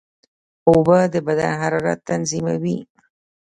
اوبه د بدن حرارت تنظیموي.